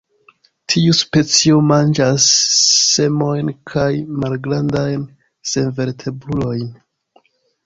Tiu specio manĝas semojn kaj malgrandajn senvertebrulojn.